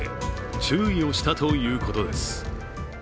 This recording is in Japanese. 注意をしたということです。